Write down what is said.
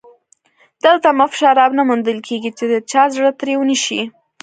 دلته مفت شراب نه موندل کېږي چې د چا زړه ترې ونشي